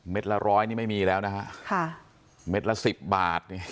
เม็ดละร้อยนี่ไม่มีแล้วนะคะเม็ดละสิบบาทเนี่ยค่ะค่ะ